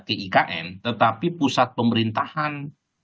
ke ikn tetapi pusat pemerintahan